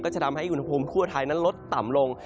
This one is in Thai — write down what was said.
จะทำให้อุณหภูมิทั่วไทยนั้นลดต่ำลง